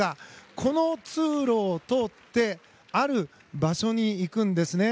この通路を通ってある場所に行くんですね。